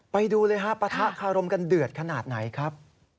ไปดูเลยฮะปะทะคารมกันเดือดขนาดไหนครับ